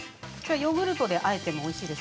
ヨーグルトであえてもおいしいです。